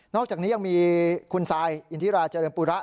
อกจากนี้ยังมีคุณซายอินทิราเจริญปุระ